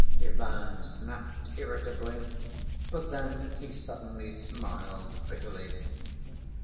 Ivan snapped irritably, but then he suddenly smiled bitterly.